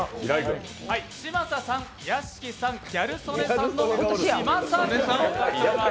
嶋佐さん、屋敷さん、ギャル曽根さんの嶋佐軍となります。